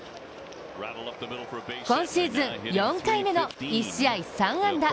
今シーズン、４回目の１試合３安打。